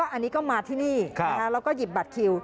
อันนี้ก็มาที่นี่แล้วก็หยิบบัตรคิว